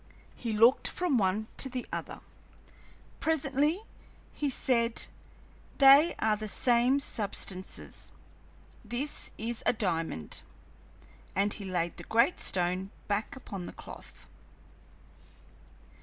He looked from one to the other; presently he said: "They are the same substances. This is a diamond." And he laid the great stone back upon the cloth.